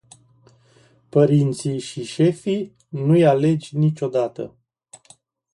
Părinții și șefii nu-i alegi niciodată.